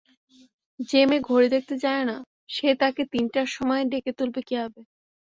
যে-মেয়ে ঘড়ি দেখতে জানে না, সে তাকে তিনটার সময় ডেকে তুলবে কীভাবে?